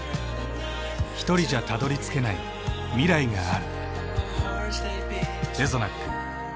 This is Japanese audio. ひとりじゃたどりつけない未来がある。